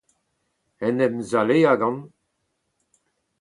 en em zaleañ gant